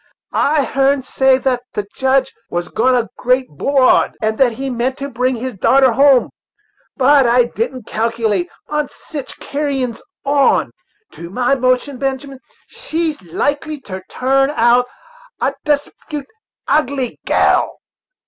I heern say thats the Judge was gone a great 'broad, and that he meant to bring his darter hum, but I didn't calculate on sich carrins on. To my notion, Benjamin, she's likely to turn out a desp'ut ugly gal."